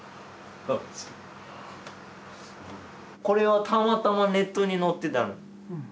これはたまたまネットに載ってたの。